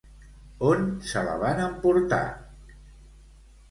On se la van emportar?